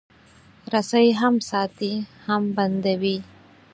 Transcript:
رسۍ هم ساتي، هم بندوي.